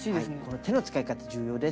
この手の使い方重要です。